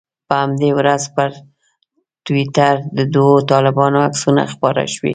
په همدې ورځ پر ټویټر د دوو طالبانو عکسونه خپاره شوي.